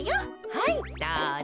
はいどうぞ。